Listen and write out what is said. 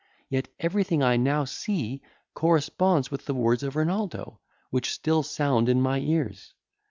Yet everything I now see corresponds with the words of Renaldo, which still sound in my ears.